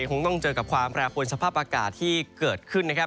คงต้องเจอกับความแปรปวนสภาพอากาศที่เกิดขึ้นนะครับ